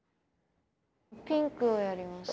ピンクをやります。